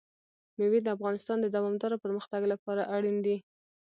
مېوې د افغانستان د دوامداره پرمختګ لپاره اړین دي.